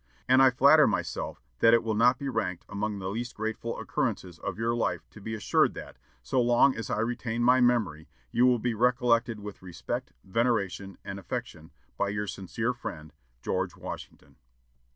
And I flatter myself that it will not be ranked among the least grateful occurrences of your life to be assured that, so long as I retain my memory, you will be recollected with respect, veneration, and affection, by your sincere friend, "GEORGE WASHINGTON."